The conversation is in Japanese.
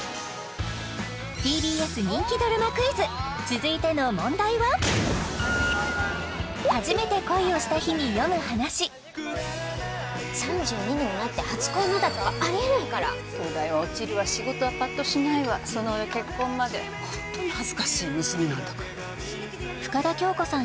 ＴＢＳ人気ドラマクイズ続いての問題は３２にもなって初恋まだとかありえないから東大は落ちるわ仕事はパッとしないわその上結婚までホントに恥ずかしい娘なんだから深田恭子さん